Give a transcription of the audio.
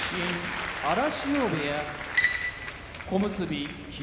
荒汐部屋小結・霧